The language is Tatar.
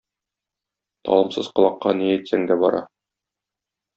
Талымсыз колакка ни әйтсәң дә бара.